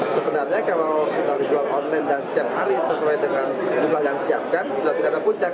sebenarnya kalau sudah dijual online dan setiap hari sesuai dengan jumlah yang disiapkan sudah tidak ada puncak